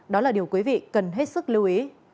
đó là điều quý vị cần hết sức lưu ý